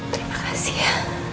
terima kasih ya